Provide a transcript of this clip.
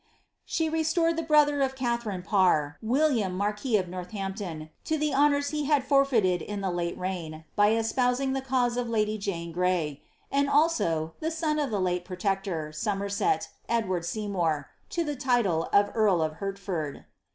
She restored the brother of Katharine Parr, William, marquis of Northampton, to the honours he had forfeited in the late reign, by espousing the cause of lady Jane Gray ; and also, the son of the late protector, Somerset, Ed ward Seymour, to the title of earl of Hertford.